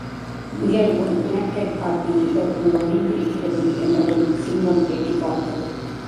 முயல் ஒரு கிணற்றைக் காட்டி, இதற்குள் ஒளிந்திருக்கிறது என்றதும், சிங்கம் எட்டிப் பார்த்தது.